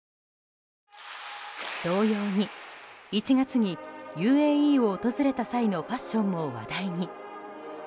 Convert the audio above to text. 同様に、１月にＵＡＥを訪れた際のファッションも話題に。